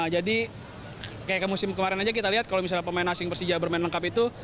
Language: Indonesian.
jadi kayak musim kemarin aja kita lihat kalau misalnya pemain asing persija bermain lengkap itu